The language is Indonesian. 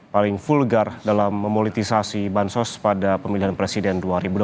paling vulgar dalam memolitisasi bansos pada pemilihan presiden dua ribu dua puluh